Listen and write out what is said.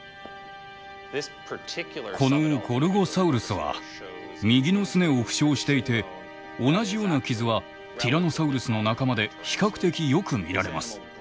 このゴルゴサウルスは右のすねを負傷していて同じような傷はティラノサウルスの仲間で比較的よく見られます。